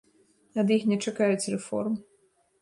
Ад іх не чакаюць рэформ.